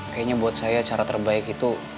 kayaknya buat saya cara terbaik itu